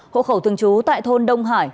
hộ khẩu thường trú tại thôn đông hải